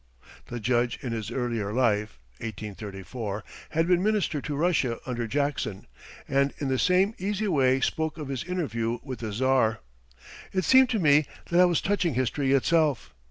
The Judge in his earlier life (1834) had been Minister to Russia under Jackson, and in the same easy way spoke of his interview with the Czar. It seemed to me that I was touching history itself.